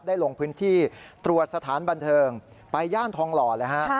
ลงพื้นที่ตรวจสถานบันเทิงไปย่านทองหล่อเลยฮะ